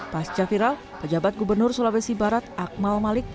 pasca viral pejabat gubernur sulawesi barat akmal malik